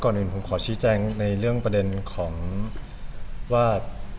อื่นผมขอชี้แจงในเรื่องประเด็นของว่า